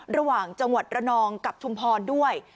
ระหว่างจังหวัดระนองกับชุมพรด้วย